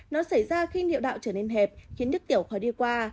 nó xảy ra khi niệu đạo trở nên hẹp khiến đứt tiểu khó đi qua